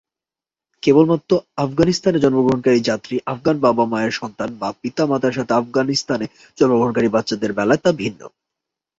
কেবলমাত্র আফগানিস্তানে জন্মগ্রহণকারী যাত্রী, আফগান বাবা-মায়ের সন্তান বা পিতামাতার সাথে আফগানিস্তানে জন্মগ্রহণকারী বাচ্চাদের বেলায় তা ভিন্ন।